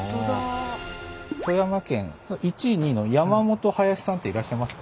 富山県１位２位の山本林さんっていらっしゃいますか？